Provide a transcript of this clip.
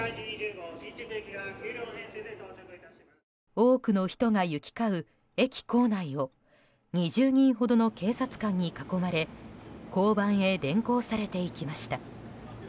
多くの人が行き交う駅構内を２０人ほどの警察官に囲まれ交番に連行されて行きました。